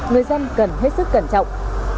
người dân cần hết sức cẩn trọng